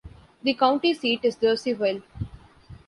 The county seat is Jerseyville.